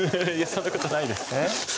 そんなことないです